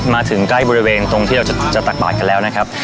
มาถึงใกล้บริเวณตรงที่เราจะตักบาดกันแล้วนะครับ